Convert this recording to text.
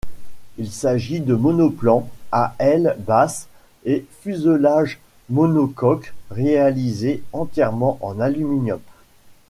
Il s'agit de monoplans à aile basse et fuselage monocoque réalisés entièrement en aluminium.